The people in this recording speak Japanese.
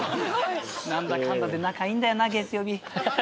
何だかんだで仲いいんだよな月曜日。